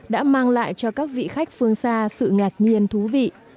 đã mang lại cho các vị khách phương xa sự ngạc nhiên thú vị